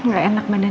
gak enak banda